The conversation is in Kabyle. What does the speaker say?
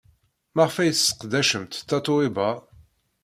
Maɣef ay tesseqdacemt Tatoeba?